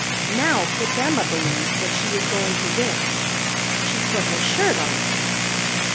Now Pip Emma believed that she was going to win. She'd put her shirt on her.